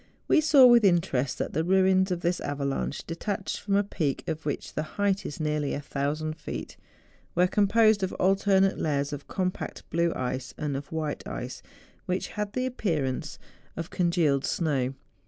We saw with interest that the ruins of this avalanche detached from a peak, of which the height is nearly a thousand feet, were composed of alternate layers of compact blue ice and of white ice, which had the appearance of congealed snow.